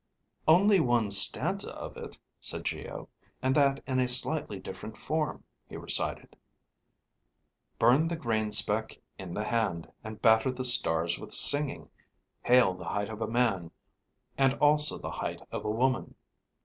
"Only one stanza of it," said Geo. "And that in a slightly different form." He recited: "_Burn the grain speck in the hand and batter the stars with singing. Hail the height of a man, and also the height of a woman.